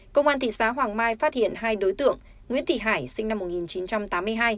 công an thị xã hoàng mai phát hiện hai đối tượng nguyễn thị hải sinh năm một nghìn chín trăm tám mươi hai